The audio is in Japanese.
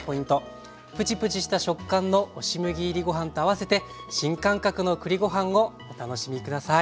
ぷちぷちした食感の押し麦入りご飯と合わせて新感覚の栗ご飯をお楽しみ下さい。